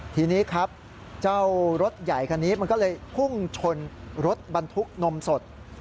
ทีนี้ครับเจ้ารถใหญ่คันนี้มันก็เลยพุ่งชนรถบรรทุกนมสด